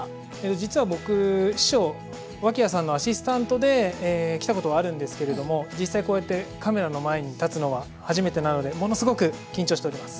実は僕師匠脇屋さんのアシスタントで来たことはあるんですけれども実際こうやってカメラの前に立つのは初めてなのでものすごく緊張しております。